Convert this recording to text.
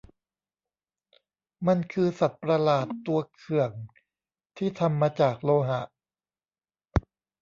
มันคือสัตว์ประหลาดตัวเขื่องที่ทำมาจากโลหะ